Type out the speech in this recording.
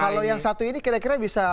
kalau yang satu ini kira kira bisa